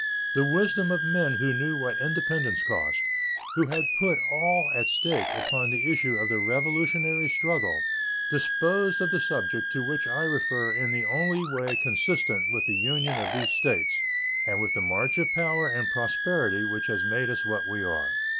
The wisdom of men who knew what independence cost, who had put all at stake upon the issue of the Revolutionary struggle, disposed of the subject to which I refer in the only way consistent with the Union of these States and with the march of power and prosperity which has made us what we are.